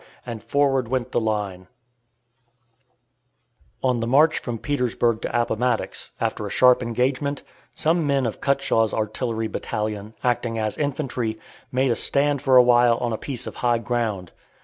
and forward went the line. [Illustration: THE BATTLE OPENS] On the march from Petersburg to Appomattox, after a sharp engagement, some men of Cutshaw's artillery battalion, acting as infantry, made a stand for a while on a piece of high ground.